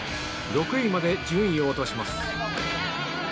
６位まで順位を落とします。